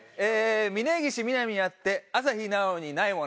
「峯岸みなみにあって朝日奈央にないもの」。